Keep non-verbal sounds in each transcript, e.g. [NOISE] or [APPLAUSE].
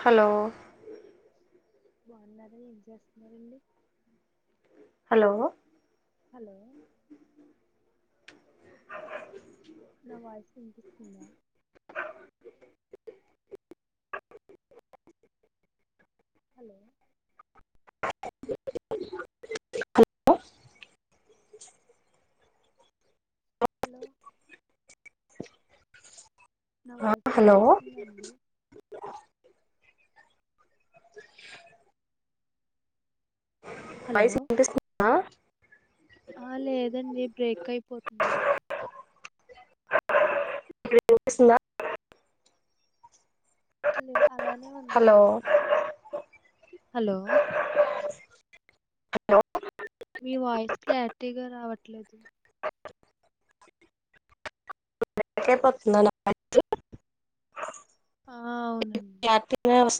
Hello బావున్నరా ఏం చేస్తున్నారు అండి? హలో హాలో నా వాయిస్ వినిపిస్తుంద [INAUDIBLE] హలో హలో హలొ [INAUDIBLE] నా వాయిస్ హలో వినిపిస్తుంద అండి? [INAUDIBLE] హలో వాయిస్ వినిపిస్తుందా? ఆ లేదండి బ్రేక్ అయిపో మీకు వినిపిస్తుందా? లె అలానే హలో ఉందండి హలో హలో మీ వాయిస్ క్లారిటీగ రావట్లేదు. [INAUDIBLE] బ్రేక్ అయిపోతుంద నా వాయిసు. ఆ అవునం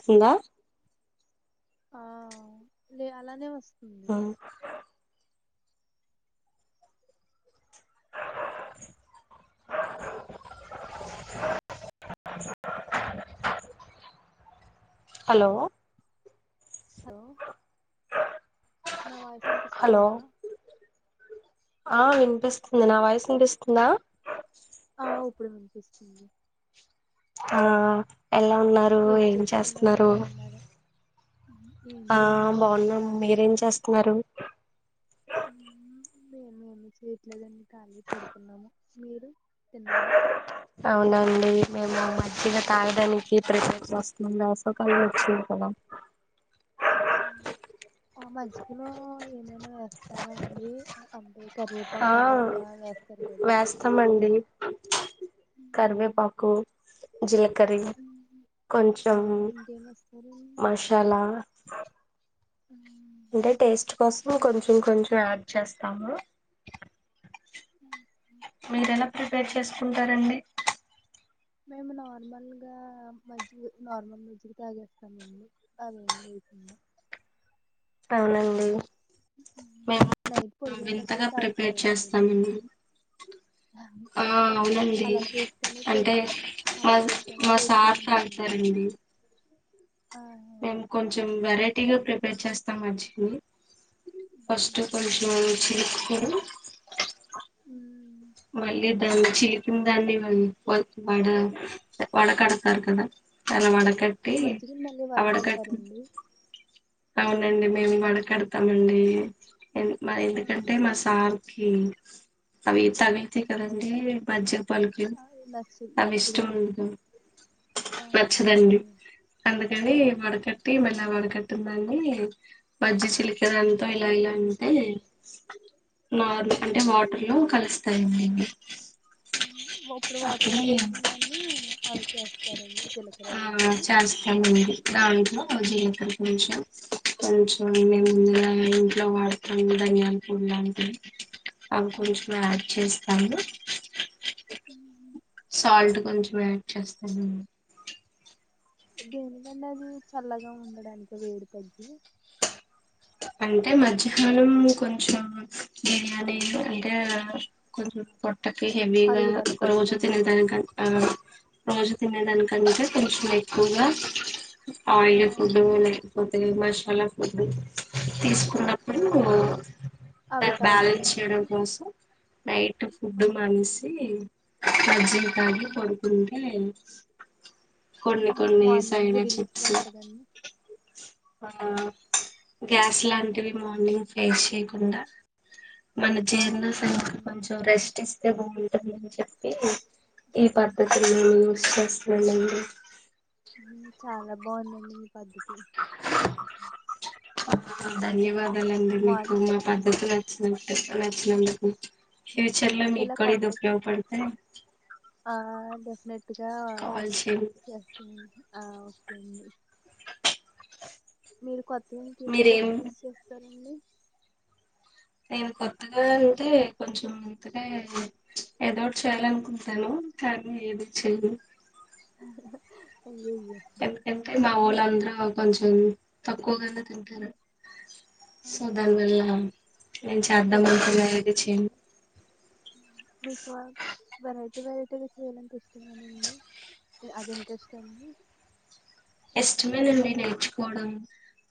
ఇంద ఆ లే అలానే వస్త్ ఆ [INAUDIBLE] హలో హలొ నా వాయిస్ హలో ఇనిపిస్తుందా? ఆ వినిపిస్తుంది నా వాయిస్ ఇనిపిస్తుందా? ఆ ఉప్పుడు వినిపిస్తుంది. ఆ ఎల ఉన్నారు ఏం చేస్తున్నారు చేస్తన్నారు? బాగున్నారా ఉహు, ఏం ఆ చేయట్లేదండి బావున్నం ఖాళీ మీరేం చేస్తన్నారు? మేమేమి చేయట్లేదండి కాళీగ పడుకున్నాము మీరు తిన్నార? అవునండి మేము మజ్జిగ తాగడానికి ప్రిపేర్ చేస్తున్నం వేసవికాలం ఓచ్చి హలొ ఆ మజ్జిగలో ఏమైనా వేస్తారా అండి అంటే ఆ కరివేపాకు అలాగా వేస్తారు కదా వేస్తాంమండి. కర్వెపాకు కరీం ఆ కొంచెం ఇంకేం వేస్తారండి మసాల అంటె టేస్ట్ కోసమె నై కొంచెం కొంచెం యాడ్ చేస్తాము. మీరెల ప్రిపేర్ అంటే చేసుకుంటారండి? మేము నార్మల్ గా మజ్జి గ నార్మల్ మజ్జిగ తాగేస్తామండి అవేమి. [INAUDIBLE] అవునండి మేము నైట్ పడుకునేటప్పుడె వింతగా ప్రిపేర్ తాగుతారండి మీరు? చేస్తామండి ఆ అవునండి అలా చేస్తేనే టేస్ట్ అంటే అలా మ చేస్తేనే మా టేస్టీగా సార్ త ఇట్లా ఉంటదండి రండి ఆ మేమ్ ఓకే కొంచెం వెరైటీగా ప్రిపేర్ చేస్తం యాక్టుల్ల్య్ ఫస్ట్ పొజిషన్ ఓచిన్నప్పుడు ఉ మల్లి చీకిిన దాన్ని వ వ్ వడ వడకడతారు కదా దాని వడ కట్టి మజ్జిగని మళ్ళీ అవడ కట్ వరకడతారండి అవునండి మేమ్ వడకేడతామండి ఎన్ మ ఆ ఎందుకంటే మా సార్ కే అవి తవితే కదండి మధ్య పల్కి అది నచ్చు అవి ఇష్టం నచ్చదండి ఉంట్ ఆ నచ్చదండి ఓకే అందుకని హ్మ్. వడకట్టి మేల్లగ వడకట్ టుందండి మజ్జిగ చిలికె దాంతో ఇల ఇల అంటే నారు అంటె వాటర్ లో కలుస్తాయండి ఇవి ఔను ఇగ అప్పుడు వాటర్ లాగ వచ్చిందాన్ని అవి చేస్తారండి జీలకర ఆ వేసి చేస్తామండి దాంట్లో జిలకర వేశాం కొంచెం ముందుగా హ్మ్. ఇంట్లో వాడుత్ ధనియాల పొడి లాంటివి అవి ఆ కొంచం యాడ్ ఓకే చేస్తాము హ్మ్. సాల్ట్ కొంచెం యాడ్ చేస్తానండి దేనికండి అది చల్లగా ఉండడానిక వేడి తగ్గి అంటే మధ్యాహ్నం కొంచం బిర్యానీ అంటే కొంచెం పొట్ ట్టకి హెవిగా అరుగుదల రోజు కోసము తినేదానికన్ ఆ రోజు తినేదానికంటే కొంచెం ఎక్కువగా ఆ ఆయిల్ ఫుడ్డు లేకపోత్ మషాల ఫుడ్డు తీసుకున్నప్పుడూ అవి దాన్ బ్యాలెన్స్ తాగుతారండి చేయడం కోసం నైట్ ఫుడ్డ్ ఓకే మానేసి మజ్జిగ తాగి హ్మ్. పడుకుంటే కొన్ని కొన్ని మార్నింగ్ సైడ్ రిలీఫ్గా ఎఫెక్ట్స్ ఉంటదండి ఆ గ్యాస్ లాంటివి మార్నింగ్ ఫేస్ చేయకుండా మన ఆ జీర్ణయంకి ఓకే కొంచం రెస్ట్ ఇస్తే బాగుంటది అని చెప్పి ఈ పద్ ద్ధతులను యూస్ చేస్తున్నమండి బాఉందండి మీ పద్ధతి ధన్యవాదాలండి మార్ మీకు మా పద్ధతి నచ్చినట్టి నచ్చినందుకు ఫ్యూచర్ లో ఇలా మీక్ కూడ ఇది కొత్తగా ఉపయోగ పడితే ఆ డెఫనెట్గా చేయండి చేస్తుంది మీరు కొత్తగ ఇంకేం మీరేం రెసిపీస్ చేస్తారండి నేను కొత్తగా అంటే కొంచం ఇంతకే ఎదోట్ చేయాలన్కుంటాను కానీ ఏది చెయ్యను అయ్యయ్యో ఎందుకంటే మా అవును మీకు ఓళ్ళందరూ కొంచెం తక్కువగానే తింటారు సో ఆహా దాన్వల్ల ఓకే నేన్ ఏమి చేద్దామన్కున్నా ఏది చేయరండి చేయను మీకు ఆ వెరై టి వెరైటివి చేయాలన్పిస్తుందా అండి అది ఇంట్రెస్ట్ ఆ అండి ఇష్టమెనండి నేర్చుకోడం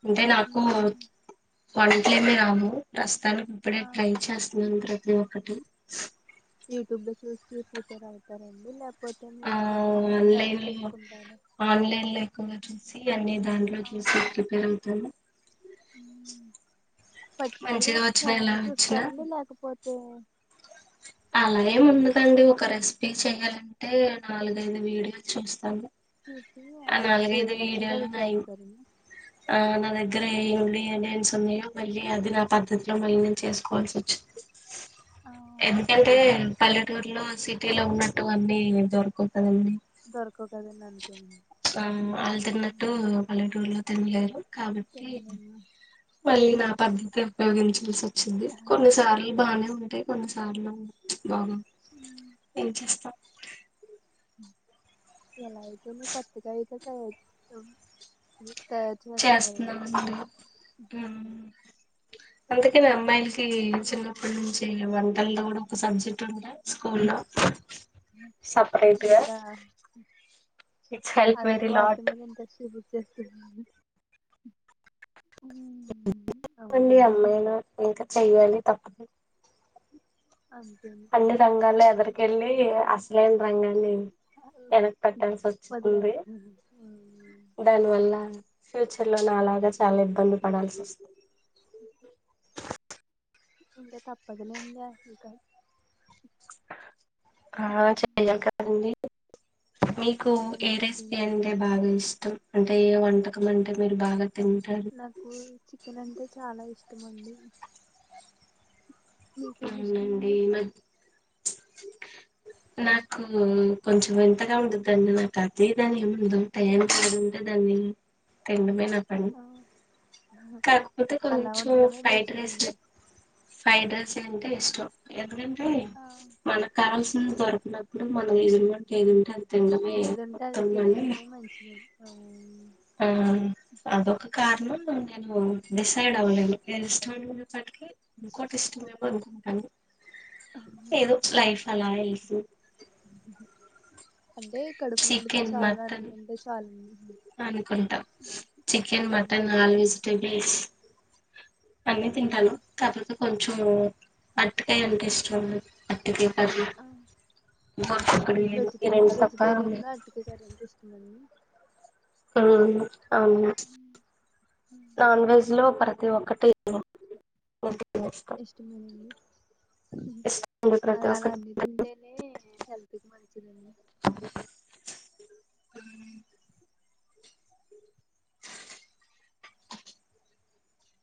అంటే నాకు మ్మ్. వంట్లేమి రావు ప్రస్తానికి ఇప్పుడే ఆ ట్రై చేస్తున్నాన్ ప్రతి ఒక్కటి యూట్యూబ్ లో చూసి పి ప్రిపేర్ అవుతానండి లేక్ ఆ ఔన్ ఆన్లైన్ లో తీసుకుంటారా ఆన్లైన్ లో ఎక్కువగా చూసి అన్ని దాంట్లో అవు చూసి ప్రిపేర్ అవుతాను పట్టికులర్ గా మంచిగా ఒక వచ్చినా ఛానల్ ఎలా వచ్చినా చూస్తారండి లేకపోతే అలా ఏం ఉండదండి ఒక రెసిపీ చెయాలంటే నాలుగైదు వీడియోలు చూస్తాను చూసి ఆ, అ ఏది నాలుగైదు నచ్చితే వీడియోల్ అది ఉన్నాయ్ చేస్తారండి ఆ నాద గ్గర ఏం ఉన్నాయో ఏమేంస్ ఉన్నాయో మళ్ళీ అది నా పద్ధతిలో మళ్ళీ నేను చేసుకోవాల్సి ఒచ్చింది ఆ, ఎందుకంటే ఓకే పల్లెటూర్లో సిటీ లో ఉన్నట్టు అన్నీ దొరకవ్ దొరకవు కదండి అంతే అమ్ ఆళ్ళ్ తిన్నట్టు పల్లెటూర్లో తిన్లేరు కాబట్టి తినలేమా? మళ్ళీ నా పద్ధతి ఉపయోగించాల్సి ఒచ్చింది కొన్నిసార్లు బానే ఉంటయ్ కొన్నిసా ర్లు బాగోవ్ మ్మ్. ఏం చేస్తాం ఉమ్మ్ ఎలా అయితేనే కొత్తగా అయితే తయారు చేస్తున్న చేస్తున్నారండి మండి హు మ్ అంతకేనా అమ్మాయిలికి చిన్న హు మ్ చెయ వంటలో కూడా ఒక సబ్జెక్టు ఉండే స్కూల్ లో ఇంకా ఇట్స్ హెల్ప్ అందరు వెరీ వాటి లాట్ మీద ఇంట్రెస్ట్ చూపించేస్తున అండి అమ్మ అయిన ఇంకా చెయ్యాలి తప్పదు అంతే అన్ని రంగాల్లో ఎదరుకెళ్ళి అసలైన రంగాన్ని వెనక కటాల్సి వచ్చింది వదిలేస్తాను ఉమ్, దానివల్ల ఫ్యూచర్ లో నాలాగా చాలా ఇబ్బంది పడాల్సి వస్తుంది ఇంకా తప్పదులేండి ఇంక ఆ చెయ్యాలి కదండి మీకు ఏ అంతే రెసిపీ అంటే బాగా ఇష్టం అంటే ఏ వంటకం అంటే మీరు బాగా తింటారు నాకు చికెన్ అంటే చాలా ఇష్టం అండి మీకేమి అవునండి ఇష్టమండి న నాకు కొంచెం వింతగా ఉండందండి నాకు అది ఇదని ఏముండదు టయానికి ఎదుంటే దాని నీ తిండమ్మే నా పని కాకపోతే అలా కొంచెం ఉండడమే ఫ్రైడ్ బెస్ట్ రైస్ అండి లే ఫ్రైడ్ రైస్ అంటే ఇష్టం ఎందుకంటే ఆ, మన కాస్ దొరికినప్పుడు మన విధుల్లో అంటే ఎదుంటే అది తినడమే ఏది ఉంటే అది మొత్తం అని తినేయడమే మంచిది అండి ఆ అదొక కారణం నేను డిసైడ్ అవ్వలేను ఈ రెస్టారెంట్ ఉన్నప్పటిక ఇంకోటి ఇష్టమేమో అనుకుంటాను ఏదో లైఫ్ అలా అన్- యెల్తు అంటే కడుపు నిండుతే చాలా అనుకుంటే చాలండి అనుకుంటాం చికెన్ మటన్ ఉమ్, నాన్ వెజిటెబుల్ అన్ని తింటాను ఉమ్, కాపోతే కొంచం అరటి కాయ అంటే ఇష్టం టి కాయ కర్రి ఆ, గోరు చిక్కుడు కాయలు ఈ వెజిటేబుల్ రెండు తప్ప వెజిటేరియన్లో అరటికాయ కర్రీ అంటే ఇష్టమండి ఉమ్ అవును ఉమ్, ఉమ్. నాన్ వెజ్ లో ప్రతి ఒక్కటి ఓకే ఇష్టమయినది ఇష్టం ఇష్టండి అలా ప్రతి అలా ఒక్కటి అన్ని తింటేనే హెల్త్ కి మంచిదండి ఉమ్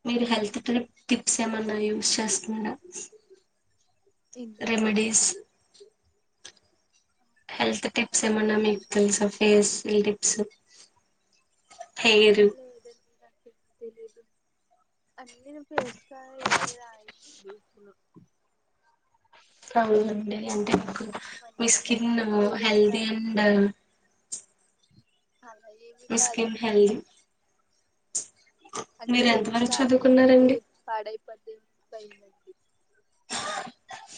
మీరు హెల్త్ ట్రి టిప్స్ ఏమన్నా యూస్ చేస్తున్నారా ఏంటండి రేమిడీస్ హెల్త్ టిప్స్ ఏమన్నా అద్ మీకు తెలుసా ఫేసులు టిప్స్ హెయిర్ ఆ లేదండి నాకు తెలీదు అన్ని నేను పేస్ అవునండి అంటె మీ అవన్నీ స్కిన్ ఏదైనా రా హెల్దీ అండ్ అలా ఏమి మీ కాదండి స్కిన్ హెల్దీ అంటే మీరు ఎంత ఏదైనా వరకు రాస్తే మళ్ళీ చదువుకున్నారండి పడైపొద్దేమో అని భయం అండి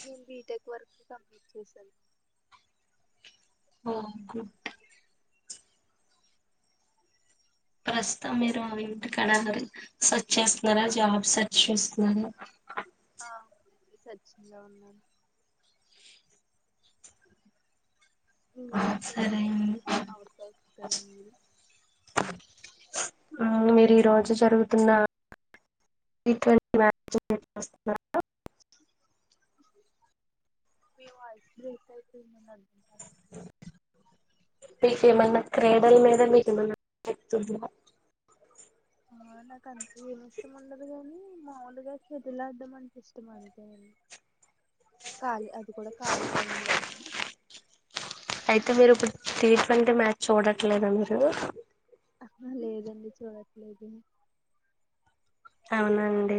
నేను బీటెక్ వరకు కంప్లీట్ చేసాను ఓ గుడ్. ప్రస్తుతం మీరు వింటి కడారు బెంచ్. చేస్తున్నారా ఆ జాబ్ సెర్చ్ చేస్తున్నారా. సచ్చిందా ఉన్నాను. మీరేం సరే చేస్తున్నారు అండి అవర్ మీరు ఆ మీరు ఈ రోజు జరుగుతున్న టి ట్వంటీ మ్యాచ్ ఉంది చూస్తున్నారా మీ వాయిస్ బ్రేక్ అయితుంది అండి నాకు. మీకు ఏమైనా క్రీడల మీద మీకు [UNINTELLIGIBLE] ఆహ్ నాకు అంతే ఏమి ఇష్టం ఉండదు కాని మాములుగా షటిల్ ఆడడం అంటే ఇష్టం అంతే అండి. ఖాళీ అది కూడా ఖాళీ టైం లో. టి ట్వంటీ మాచ్ చూడట్లేదా మీరు. ఆహ్ లేదాండి చూడట్లేదు. అవునాండి.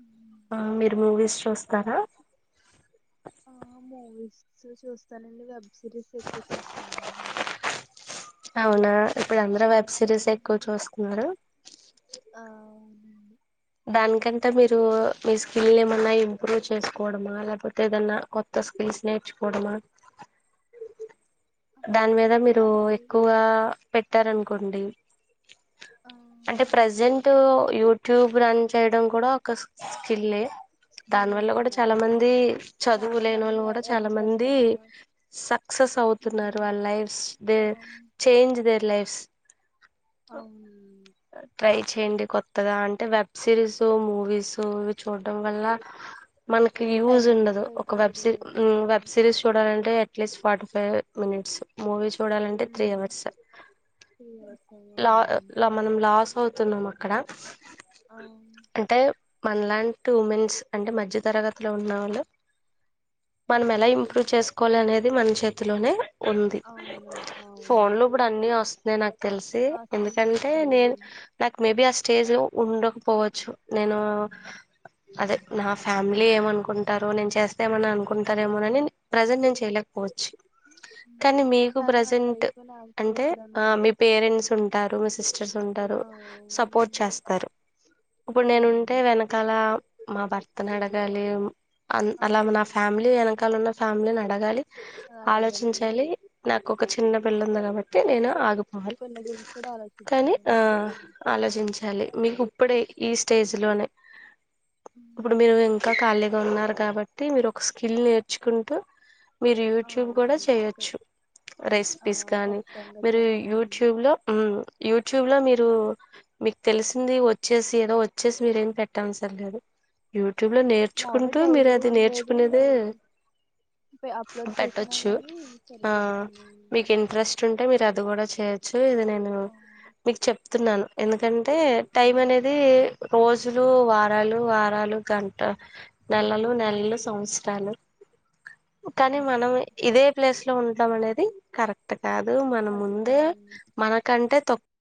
ఉమ్. ఆహ్ మీరు మూవీస్ చూస్తారా. ఆహ్ మూవీస్ చూస్తానండి వెబ్ సిరీస్ ఎక్కువ చూస్తానండి. అవునా ఇప్పుడు అందరు వెబ్ సిరీసే ఎక్కువ చూస్తున్నారు. ఆ అవునండి దానికంటే మీరు మీ స్కిల్ ఏమన్నా ఇంప్రూవ్ చేసుకోవడమా లేకపోతే ఏదన్నా కొత్త స్కిల్స్. నేర్చుకోవడమా. ఆ, దాని మీద మీరు అలాగే ఎక్కువగా పెట్టారనుకోండి. ఆ అంటే ప్రెసెంట్ యూట్యూబ్. రన్ చేయడం కూడా ఒక స్కిలే. దాని వల్ల కూడా స్కిల్లేనండి చాలా అవును ఆ, మంది చదువు చాలా లేని మనీ వోల్లు కూడా చాలా ఎర్న్ మంది చేస్తున్నారు సక్సెస్. సక్సస్ అంతున్నారు ఉమ్, వాళ్ళ లైఫ్స్ ఆ థెయ్ చేంజ్ దేర్ లైఫ్. అవును. ట్రై చేయండి కొత్తగా అంటే వెబ్ సిరీస్ మూవీస్ ఇవి చూడటడం వల్ల. మనకి యూజ్ టైం ఉండదు వేస్ట్ ఒక వెబ్ అయిపోద్ది సిర్ ఉమ్ అవును వెబ్ సిరీస్ చూడాలంటే. ఎస్ ఫార్టీ ఫైవ్ మినిట్స్ మూవీస్. చూడాలి అంటే త్రీ హౌర్స్ త్రీ అవర్స్ ఏమో ల లాప్. అవునండి మనం లాస్ అవుతున్నాం అక్కడ అవును అంటే. మన లాంటి ఉమెన్స్ అంటే మధ్య తరగతిలో ఉన్నవాళ్ళు. మనం ఎలా హ్మ్. ఇంప్రూవ్ చేసుకోవాలి అనేది మన చేతిలోనే. అవునండి. అవును. ఫోన్ లో కూడా అన్ని వస్తున్నాయి నాకు తెలిసి ఆస్తికం ఎందుకంటే. అదే నేను హ్మ్. నాకు మేబి ఆ స్టేజి ఉండకపోవచ్చు నేను. అదే నా ఫ్యామిలీ ఎం అనుకుంటారో నేను చేస్తే ఏమైనా అనుకుంటారేమోనని ప్రజెంట్ నేను చేయలేకపోవచ్చు. కానీ మీకు తను నా ప్రెసెంట్ లైఫ్‌లో నాకు అంటే ఆహ్ చేతులనుంది. మీ పేరెంట్స్ ఉంటారు మీ సిస్. ఉంటారు ఆ! సపోర్ట్ చేస్తారు ఇప్పుడు నేనుంటే అవునండి. వెనకాల. మా భర్త ని అడగాలి అలా ఆ! అలా నా ఫ్యామిలీ వెనకాల ఉన్న ఫ్యామిలీ ని అడగాలి. అడిగాను. హ్మ్. ఆలోచించాలి నాకు ఒక చిన్న పిల్ల ఉంది కాబట్టి నేను ఆగు. పిల్ల గురించి ఆలోచించ్. కని ఆహ్ ఆలోచించాలి మీకు ఇప్పుడే ఈ స్టేజ్ లోనే. ఇప్పుడు హ్మ్. మీరు ఇంకా ఖాళీగా ఉన్నారు కాబట్టి మీరు ఒక స్కిల్ నేర్చుకుంటు. మీరు ఆ! యూట్యూబ్ కూడా అవును. ఖ చేయొచ్చు. ఆ! రెసిపీస్ కానీ ఖచ్చితంగా మీరు చేస్తాను. యూట్యూబ్ లో ఉమ్. యూట్యూబ్ లో మీరు మీకు తెలుసు. ఇది వచ్చేసి ఏదో వచ్చేసి మీరేం పెట్టా అవసరం లేదు యూ. యూట్యూబ్ లో మాములుగా నేర్చుకుంటూ మీరు డైలీ అది ఉండేది నేర్చుకునేదే. పె అప్లోడ్ చేసినా పెటోచ్చు గానీ ఆహ్ సరిపోద్దండి. మీకు ఇంట్రెస్ట్ ఉంటే మీరు అద్. ఇది కూడా చేయొచ్చు ఇది నేను ఆ! మీకు చెప్తున్నాను ఎందుక్ గంతే ఆ! టైం అనేది రోజులు వారాలు వారాలు గంట నెలలు నెలలు హ్మ్. సంవత్సరాలు కానీ అంత మనం ఇదే ప్లేస్ లో ఉండటం అనేది కరెక్ట్. కాదు మన కరెక్ట్ ముందే కాదండి. మనకంటే తో.